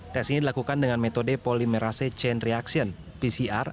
tes ini dilakukan dengan metode polimerase chain reaction pcr